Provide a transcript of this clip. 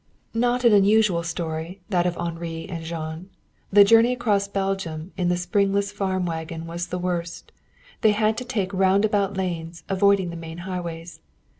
Not an unusual story, that of Henri and Jean. The journey across Belgium in the springless farm wagon was the worst. They had had to take roundabout lanes, avoiding the main highways.